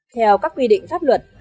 theo các quy định pháp luật